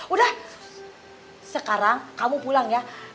udah sekarang kamu pulang ya